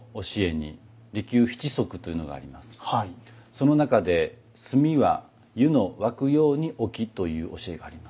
その中で「炭は湯の沸くように置き」という教えがあります。